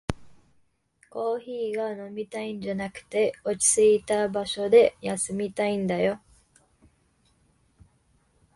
コーヒーが飲みたいんじゃなくて、落ちついた場所で休みたいんだよ